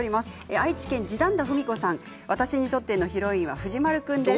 愛知県の方は私にとってのヒロインは藤丸君です。